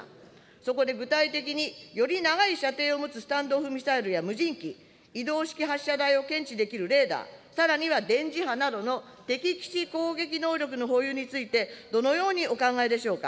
そこで具体的により長い射程を持つスタンドオフミサイルや、無人機、移動式発射台を検知できるレーダー、さらには電磁波などの敵基地攻撃能力の保有について、どのようにお考えでしょうか。